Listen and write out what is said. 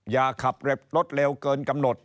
อย่าขับรถเร็วเกินกำหนด